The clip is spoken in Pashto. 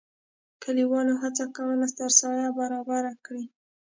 کلیوالو هڅه کوله سرسایه برابره کړي.